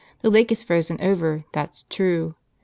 The lake is frozen over, that's true.